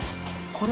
これ。